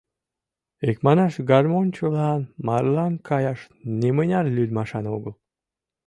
Икманаш, гармоньчылан марлан каяш нимыняр лӱдмашан огыл.